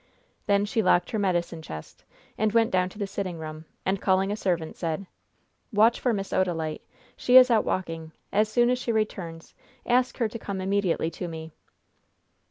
Then she locked her medicine chest, and went down to the sitting room, and, calling a servant, said: "Watch for Miss Odalite. She is out walking. As soon as she returns ask her to come immediately to me."